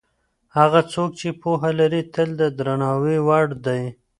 هغه څوک چې پوهه لري تل د درناوي وړ دی.